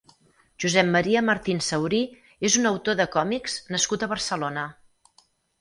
Josep Maria Martín Saurí és un autor de còmics nascut a Barcelona.